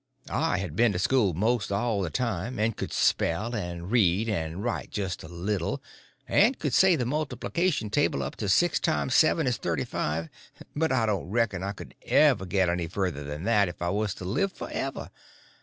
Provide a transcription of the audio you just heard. I had been to school most all the time and could spell and read and write just a little, and could say the multiplication table up to six times seven is thirty five, and I don't reckon I could ever get any further than that if I was to live forever.